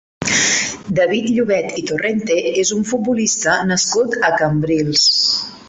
David Llobet i Torrente és un futbolista nascut a Cambrils.